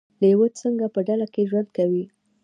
لیوه څنګه په ډله کې ژوند کوي؟